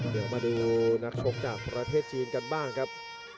เดี๋ยวมาดูนักชกจากประเทศจีนกันบ้างครับ